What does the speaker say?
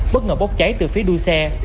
xe khách đi từ phía đua xe